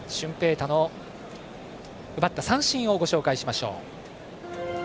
大の奪った三振をご紹介しましょう。